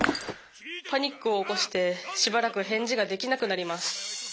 パニックを起こしてしばらく返事ができなくなります。